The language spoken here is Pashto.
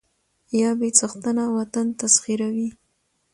يا بې څښنته وطن تسخيروي